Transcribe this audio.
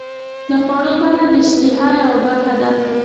د خوړو بڼه د اشتها یوه برخه ده.